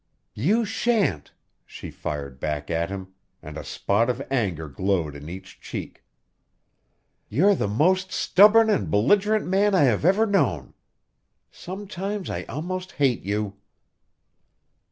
"You shan't!" she fired back at him, and a spot of anger glowed in each cheek. "You're the most stubborn and belligerent man I have ever known. Sometimes I almost hate you."